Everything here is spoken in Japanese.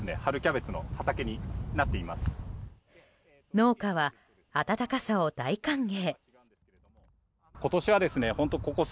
農家は暖かさを大歓迎。